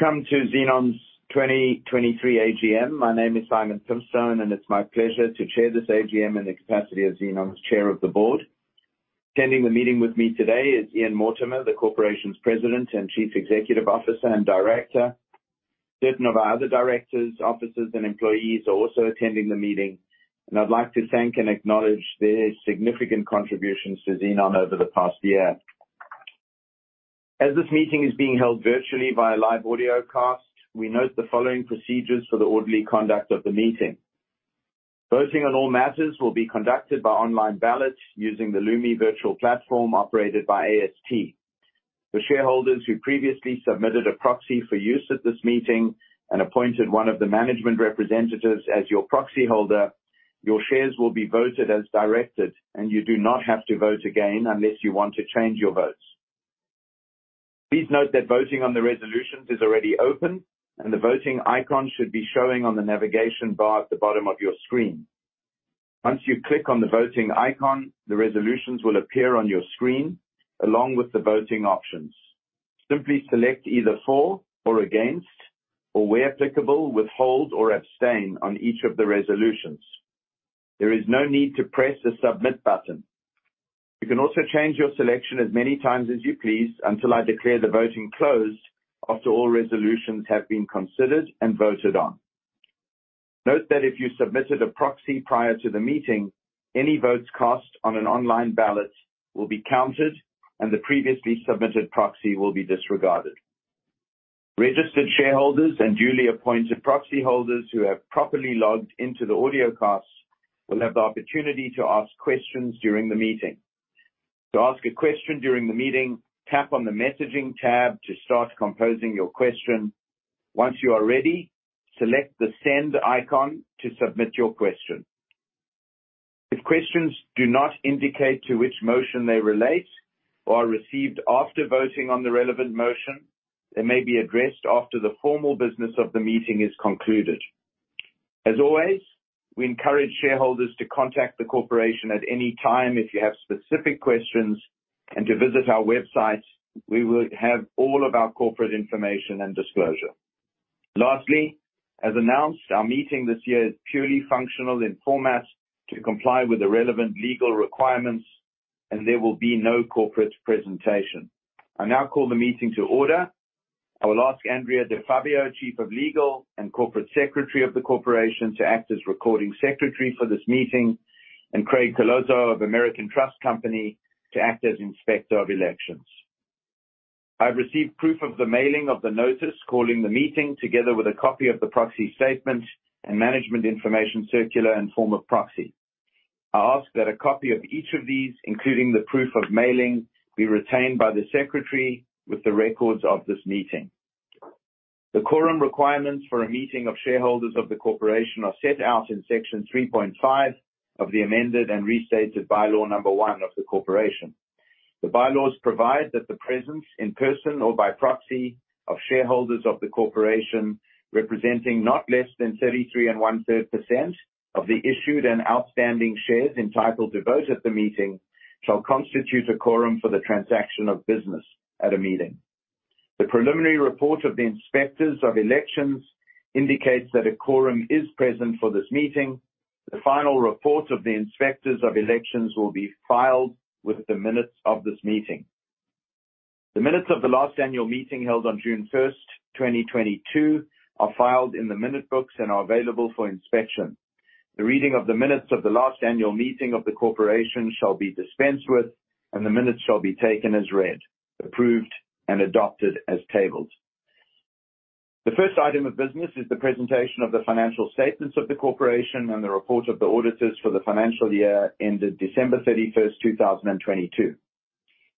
Welcome to Xenon's 2023 AGM. My name is Simon Pimstone, and it's my pleasure to chair this AGM in the capacity as Xenon's Chair of the Board. Attending the meeting with me today is Ian Mortimer, the corporation's President and Chief Executive Officer and Director. Certain of our other directors, officers, and employees are also attending the meeting, and I'd like to thank and acknowledge their significant contributions to Xenon over the past year. As this meeting is being held virtually via live audiocast, we note the following procedures for the orderly conduct of the meeting. Voting on all matters will be conducted by online ballot using the Lumi Virtual Platform operated by AST. For shareholders who previously submitted a proxy for use at this meeting and appointed one of the management representatives as your proxyholder, your shares will be voted as directed, and you do not have to vote again unless you want to change your votes. Please note that voting on the resolutions is already open, and the voting icon should be showing on the navigation bar at the bottom of your screen. Once you click on the voting icon, the resolutions will appear on your screen, along with the voting options. Simply select either for or against, or where applicable, withhold or abstain on each of the resolutions. There is no need to press the Submit button. You can also change your selection as many times as you please, until I declare the voting closed, after all resolutions have been considered and voted on. Note that if you submitted a proxy prior to the meeting, any votes cast on an online ballot will be counted, and the previously submitted proxy will be disregarded. Registered shareholders and duly appointed proxyholders who have properly logged into the audio cast will have the opportunity to ask questions during the meeting. To ask a question during the meeting, tap on the messaging tab to start composing your question. Once you are ready, select the send icon to submit your question. If questions do not indicate to which motion they relate or are received after voting on the relevant motion, they may be addressed after the formal business of the meeting is concluded. As always, we encourage shareholders to contact the corporation at any time if you have specific questions and to visit our website. We will have all of our corporate information and disclosure. As announced, our meeting this year is purely functional in format to comply with the relevant legal requirements, and there will be no corporate presentation. I now call the meeting to order. I will ask Andrea DiFabio, Chief of Legal and Corporate Secretary of the Corporation, to act as Recording Secretary for this meeting, and Craig Calosso of American Trust Company to act as Inspector of Elections. I've received proof of the mailing of the notice calling the meeting, together with a copy of the proxy statement and management information circular and form of proxy. I ask that a copy of each of these, including the proof of mailing, be retained by the secretary with the records of this meeting. The quorum requirements for a meeting of shareholders of the corporation are set out in Section 3.5 of the amended and restated bylaw one of the corporation. The bylaws provide that the presence in person or by proxy of shareholders of the corporation, representing not less than 33 and 1/3% of the issued and outstanding shares entitled to vote at the meeting, shall constitute a quorum for the transaction of business at a meeting. The preliminary report of the inspectors of elections indicates that a quorum is present for this meeting. The final report of the inspectors of elections will be filed with the minutes of this meeting. The minutes of the last annual meeting, held on June 1st, 2022, are filed in the minute books and are available for inspection. The reading of the minutes of the last annual meeting of the corporation shall be dispensed with, and the minutes shall be taken as read, approved, and adopted as tabled. The first item of business is the presentation of the financial statements of the corporation and the report of the auditors for the financial year ended December 31st, 2022.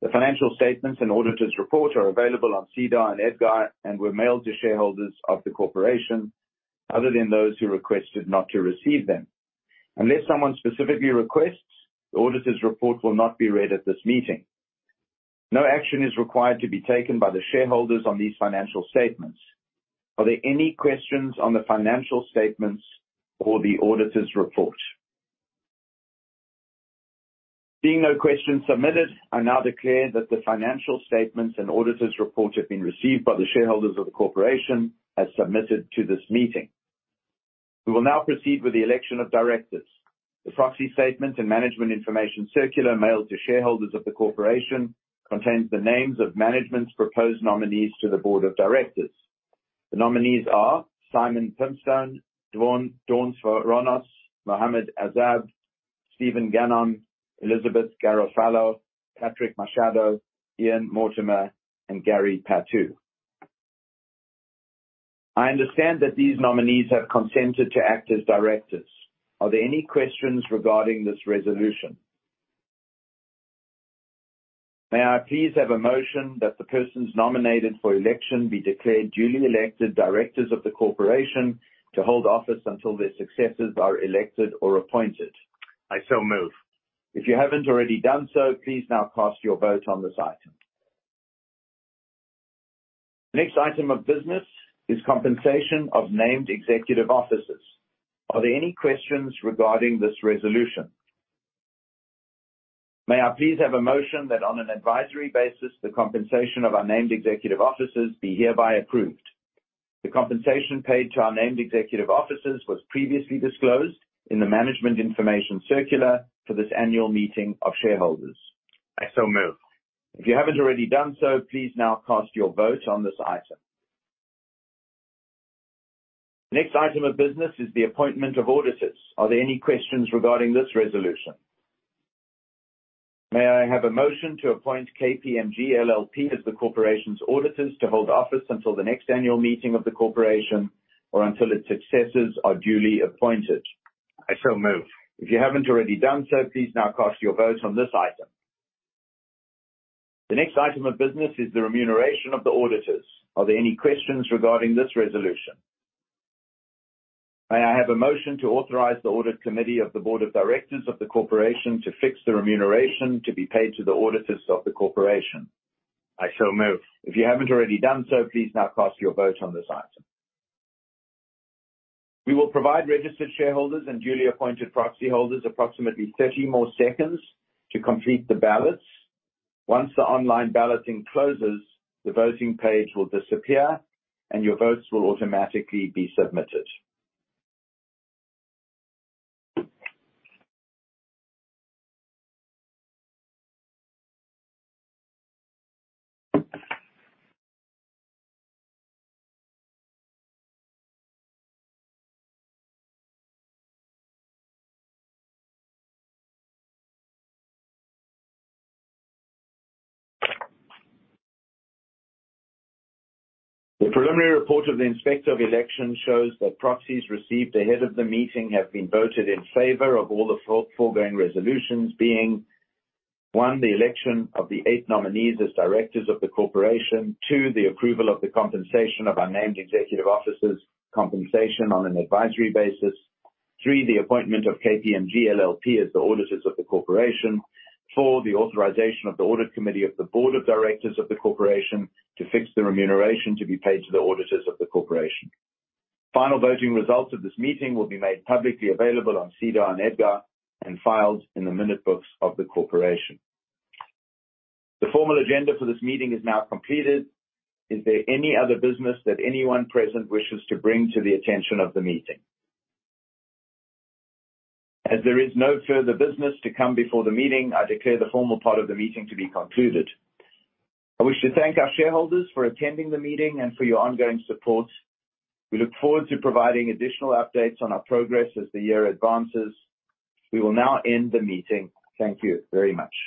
The financial statements and auditor's report are available on SEDAR and EDGAR and were mailed to shareholders of the corporation, other than those who requested not to receive them. Unless someone specifically requests, the auditor's report will not be read at this meeting. No action is required to be taken by the shareholders on these financial statements. Are there any questions on the financial statements or the auditor's report? Seeing no questions submitted, I now declare that the financial statements and auditor's report have been received by the shareholders of the corporation as submitted to this meeting. We will now proceed with the election of directors. The proxy statement and management information circular mailed to shareholders of the corporation contains the names of management's proposed nominees to the board of directors. The nominees are Simon Pimstone, Dawn Svoronos, Mohammad Azab, Steven Gannon, Elizabeth Garofalo, Patrick Machado, Ian Mortimer, and Gary Patou. I understand that these nominees have consented to act as directors. Are there any questions regarding this resolution? May I please have a motion that the persons nominated for election be declared duly elected directors of the corporation to hold office until their successors are elected or appointed, I so move. If you haven't already done so, please now cast your vote on this item. The next item of business is compensation of named executive officers. Are there any questions regarding this resolution? May I please have a motion that on an advisory basis, the compensation of our named executive officers be hereby approved? The compensation paid to our named executive officers was previously disclosed in the management information circular for this annual meeting of shareholders. I so move. If you haven't already done so, please now cast your vote on this item. Next item of business is the appointment of auditors. Are there any questions regarding this resolution? May I have a motion to appoint KPMG LLP as the corporation's auditors to hold office until the next annual meeting of the corporation or until its successors are duly appointed? I so move. If you haven't already done so, please now cast your vote on this item. The next item of business is the remuneration of the auditors. Are there any questions regarding this resolution? May I have a motion to authorize the Audit Committee of the Board of Directors of the Corporation to fix the remuneration to be paid to the auditors of the corporation? I so move. If you haven't already done so, please now cast your vote on this item. We will provide registered shareholders and duly appointed proxy holders approximately 30 more seconds to complete the ballots. Once the online balloting closes, the voting page will disappear, and your votes will automatically be submitted. The preliminary report of the Inspector of Election shows that proxies received ahead of the meeting have been voted in favor of all the foregoing resolutions, being, one, the election of the eight nominees as directors of the corporation. Two, the approval of the compensation of our named executive officers compensation on an advisory basis. Three, the appointment of KPMG LLP as the auditors of the corporation. Four, the authorization of the Audit Committee of the Board of Directors of the Corporation to fix the remuneration to be paid to the auditors of the corporation. Final voting results of this meeting will be made publicly available on SEDAR on EDGAR, and filed in the minute books of the corporation. The formal agenda for this meeting is now completed. Is there any other business that anyone present wishes to bring to the attention of the meeting? As there is no further business to come before the meeting, I declare the formal part of the meeting to be concluded. I wish to thank our shareholders for attending the meeting and for your ongoing support. We look forward to providing additional updates on our progress as the year advances. We will now end the meeting. Thank you very much.